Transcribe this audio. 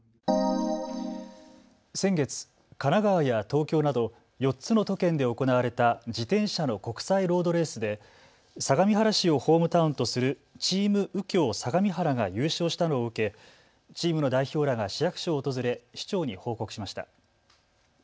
先月、神奈川や東京など４つの都県で行われた自転車の国際ロードレースで相模原市をホームタウンとするチーム右京相模原が優勝したのを受けチームの代表らが市役所を訪れ市長に報告しました。